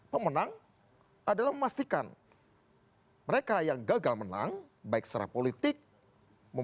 pemenang adalah memastikan pada unoom mereka yang gagal menang baik secara politik dwarf